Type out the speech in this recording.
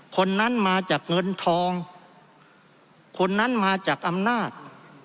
คนนั้นมาจากเงินทองคนนั้นมาจากอำนาจ